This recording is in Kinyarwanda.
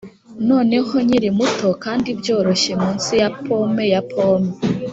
noneho nkiri muto kandi byoroshye munsi ya pome ya pome